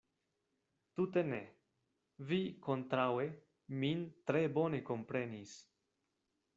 Tute ne: vi kontraŭe min tre bone komprenis.